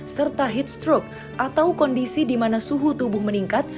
serta heat stroke atau kondisi di mana suhu tubuh meningkat